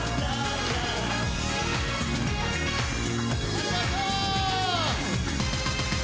ありがとう！